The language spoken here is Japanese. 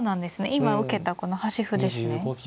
今受けたこの端歩ですね。